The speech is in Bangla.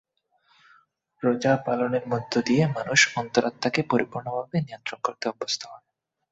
রোজা পালনের মধ্য দিয়ে মানুষ অন্তরাত্মাকে পরিপূর্ণভাবে নিয়ন্ত্রণ করতে অভ্যস্ত হয়।